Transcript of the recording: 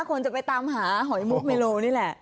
คนจะไปตามหาหอยมุกเมโลนี่แหละ